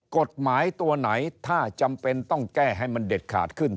กฎหมายตัวไหนถ้าจำเป็นต้องแก้ให้มันเด็ดขาดขึ้น